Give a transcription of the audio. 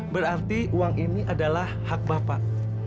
berarti uang ini adalah hak bapak